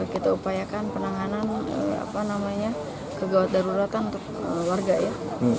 kita upayakan penanganan kegawat daruratan untuk warga ya